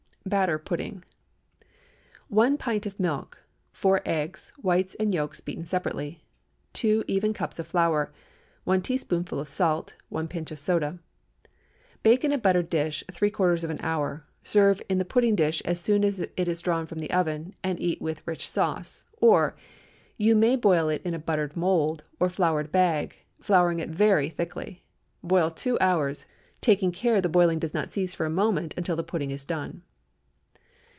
BATTER PUDDING. ✠ 1 pint of milk. 4 eggs—whites and yolks beaten separately. 2 even cups flour. 1 teaspoonful salt. 1 pinch of soda. Bake in a buttered dish three quarters of an hour. Serve in the pudding dish as soon as it is drawn from the oven, and eat with rich sauce. Or, You may boil it in a buttered mould or floured bag, flouring it very thickly. Boil two hours, taking care the boiling does not cease for a moment until the pudding is done.